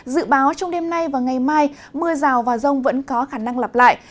dự báo trong đêm nay và ngày mai mưa rào và rông vẫn có khả năng lặp lại